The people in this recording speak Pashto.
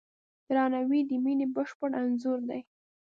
درناوی د مینې بشپړ انځور دی.